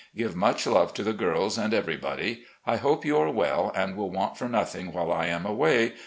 Give much love to the girls and every body. I hope you are well and will want for nothing while I am away.